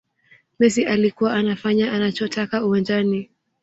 messi alikuwa anafanya anachotaka uwanjani